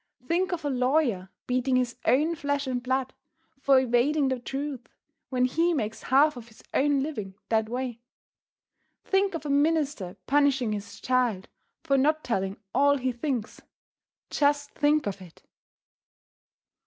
Think of a lawyer beating his own flesh and blood for evading the truth when he makes half of his own living that way! Think of a minister punishing his child for not telling all he thinks! Just think of it!